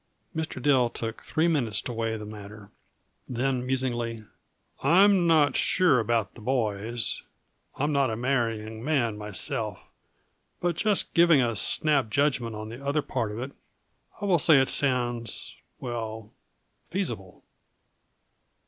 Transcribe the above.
Mr. Dill took three minutes to weigh the matter. Then, musingly: "I'm not sure about the boys. I'm not a marrying man, myself but just giving a snap judgment on the other part of it, I will say it sounds well, feasible."